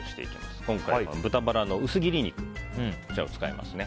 今回は豚バラの薄切り肉を使いますね。